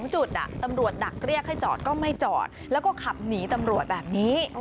จุดตำรวจดักเรียกให้จอดก็ไม่จอดแล้วก็ขับหนีตำรวจแบบนี้